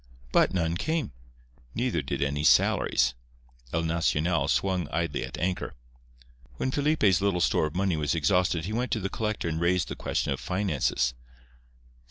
But none came. Neither did any salaries. El Nacional swung idly at anchor. When Felipe's little store of money was exhausted he went to the collector and raised the question of finances.